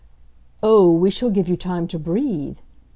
"Oh, we shall give you time to breathe!"